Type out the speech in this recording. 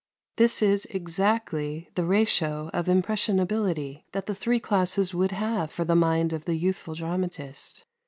This is exactly the ratio of impressionability that the three classes would have for the mind of the youthful dramatist.